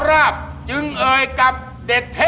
เอาออกมาเอาออกมาเอาออกมา